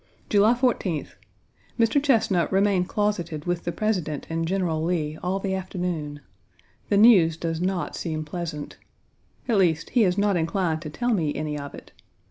July 14th. Mr. Chesnut remained closeted with the President and General Lee all the afternoon. The news does not seem pleasant. At least, he is not inclined to tell me any of it.